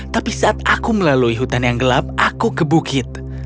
tapi saat aku melalui hutan yang gelap aku ke bukit